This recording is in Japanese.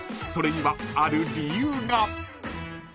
［それにはある理由が］